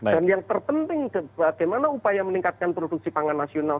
dan yang terpenting bagaimana upaya meningkatkan produksi pangan nasional